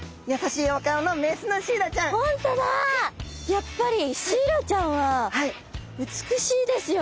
やっぱりシイラちゃんは美しいですよね。